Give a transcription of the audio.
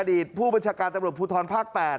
อดีตผู้บัญชาการตรวจผู้ท้อนภาค๘